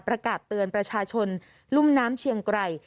ประกาศเตือนประชาชนรุ่มน้ำเชียงไกร